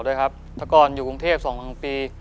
ช่วงก่อนอยู่กรุงเทพฯส่องครั้งปี